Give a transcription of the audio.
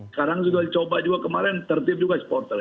sekarang sudah dicoba juga kemarin tertib juga supporter